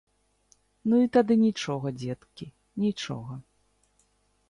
Ну і тады нічога, дзеткі, нічога!